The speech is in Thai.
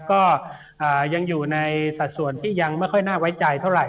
ก็ยังอยู่ในสัดส่วนที่ยังไม่ค่อยน่าไว้ใจเท่าไหร